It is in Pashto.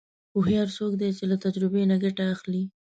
هوښیار څوک دی چې له تجربې نه ګټه اخلي.